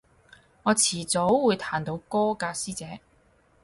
我遲早會彈到歌㗎師姐